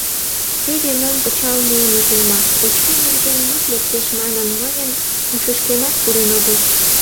Теве мом кычал муыныт улмаш, очки нерген мут лектеш манын, мыйын ушышкемат пурен огыл.